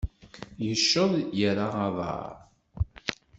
Yecceḍ, yerra aḍar.